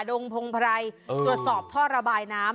ดงพงไพรตรวจสอบท่อระบายน้ำ